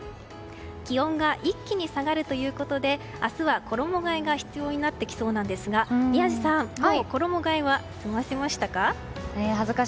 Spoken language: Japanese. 気温が一気に下がるということで明日は衣替えが必要になってきそうなんですが宮司さん、もう衣替えは済ませましたか？